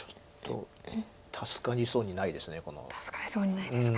助かりそうにないですか。